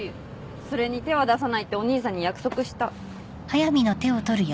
それに手は出さないってお兄さんに約束した。